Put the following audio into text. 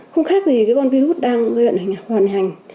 không khác gì con virus đang hoàn hành